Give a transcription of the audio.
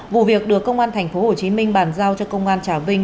vụ việc được công an tp hcm bàn giao cho công an trà vinh